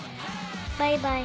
バイバイ。